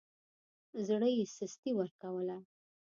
زړه يې سستي ورکوله.